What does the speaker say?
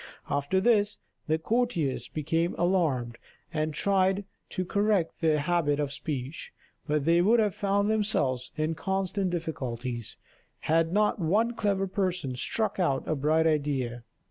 After this, the courtiers became alarmed, and tried to correct their habit of speech; but they would have found themselves in constant difficulties, had not one clever person struck out a bright idea.